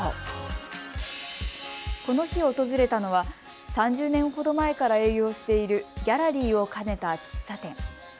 この日、訪れたのは３０年ほど前から営業しているギャラリーを兼ねた喫茶店。